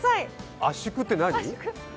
圧縮って何？